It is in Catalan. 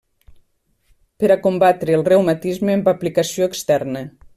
Per a combatre el reumatisme amb aplicació externa.